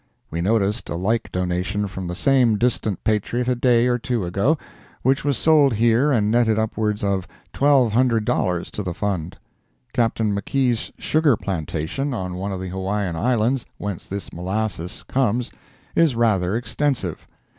We noticed a like donation from the same distant patriot a day or two ago, which was sold here and netted upwards of twelve hundred dollars to the fund. Captain Makee's sugar plantation, on one of the Hawaiian Islands, whence this molasses comes, is rather extensive.